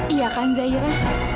iya kan zahira